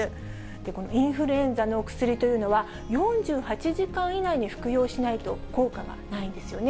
このインフルエンザの薬というのは、４８時間以内に服用しないと、効果がないんですよね。